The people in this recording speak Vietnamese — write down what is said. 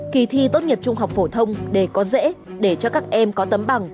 kỳ thi tốt nghiệp trung học phổ thông đều có dễ để cho các em có tấm bằng